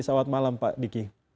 selamat malam pak diki